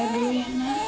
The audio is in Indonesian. minum air dulu ya nak